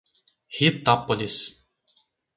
Ritápolis